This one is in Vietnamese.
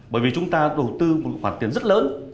bởi vì chúng ta đầu tư một khoản tiền rất lớn